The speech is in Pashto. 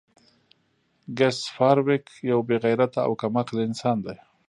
ګس فارویک یو بې غیرته او کم عقل انسان دی